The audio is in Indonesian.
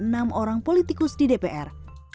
seorang politikus di dpr